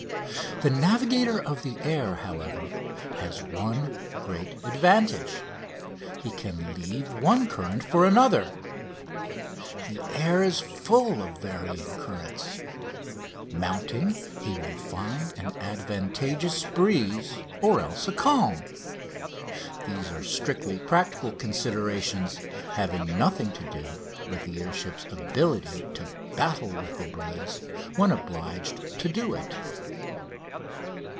The navigator of the air, however, has the one great advantage he can leave one current for another. The air is full of varying currents. Mounting, he will find an advantageous breeze or else a calm. These are strictly practical considerations, having nothing to do with the air ship's ability to battle with the breeze when obliged to do it.